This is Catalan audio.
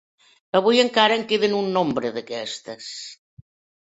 Avui encara en queden un nombre d'aquestes.